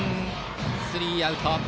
スリーアウト。